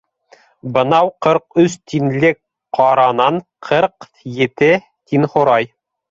Бынау ҡырҡ өс тинлек ҡаранан ҡырҡ ете тин һорай.